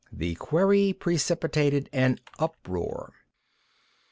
The query precipitated an uproar.